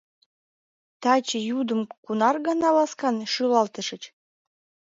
— Таче йӱдым кунар гана ласкан шӱлалтышыч?